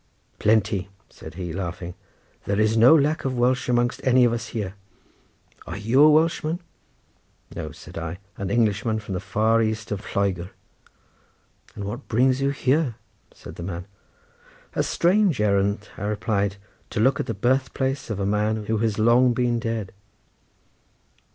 "Plenty," said he, laughing; "there is no lack of Welsh amongst any of us here. Are you a Welshman?" "No," said I, "an Englishman from the far east of Lloegr." "And what brings you here?" said the man. "A strange errand," I replied, "to look at the birthplace of a man who has long been dead."